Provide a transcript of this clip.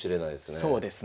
そうですね。